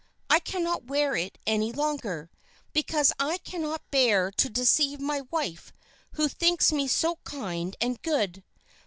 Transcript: I cannot wear it any longer, because I cannot bear to deceive my dear wife who thinks me so kind and good.